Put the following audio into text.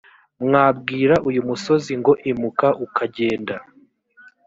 mwabwira uyu musozi ngo imuka ukagenda